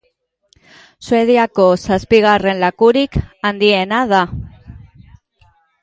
Suediako zazpigarren lakurik handiena da.